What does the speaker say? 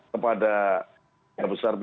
kepada besar pdi